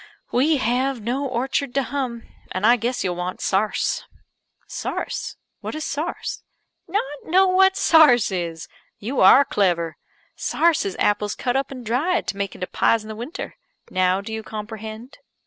"We have no orchard to hum, and I guess you'll want sarce." "Sarce! What is sarce?" "Not know what sarce is? You are clever! Sarce is apples cut up and dried, to make into pies in the winter. Now do you comprehend?"